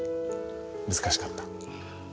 難しかった？